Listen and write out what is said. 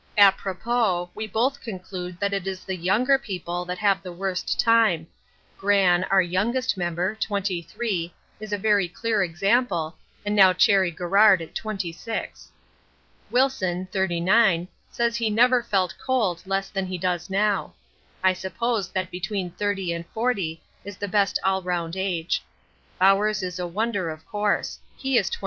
Apropos, we both conclude that it is the younger people that have the worst time; Gran, our youngest member (23), is a very clear example, and now Cherry Garrard at 26. Wilson (39) says he never felt cold less than he does now; I suppose that between 30 and 40 is the best all round age. Bowers is a wonder of course. He is 29.